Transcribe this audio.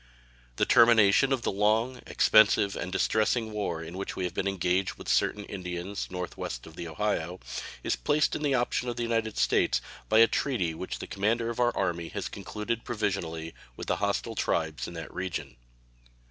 The termination of the long, expensive, and distressing war in which we have been engaged with certain Indians northwest of the Ohio is placed in the option of the United States by a treaty which the commander of our army has concluded provisionally with the hostile tribes in that region.